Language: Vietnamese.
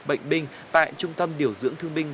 bệnh binh tại trung tâm điều dưỡng thương binh